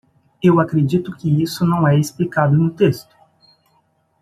Eu acredito que isso não é explicado no texto.